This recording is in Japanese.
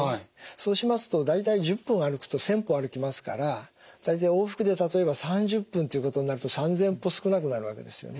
そうしますと大体１０分歩くと１，０００歩歩きますから大体往復で例えば３０分ということになると３，０００歩少なくなるわけですよね。